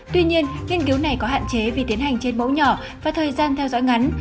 tuy nhiên nghiên cứu này có hạn chế vì tiến hành trên mẫu nhỏ và thời gian theo dõi ngắn